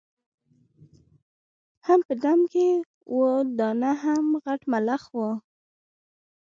هم په دام کي وه دانه هم غټ ملخ وو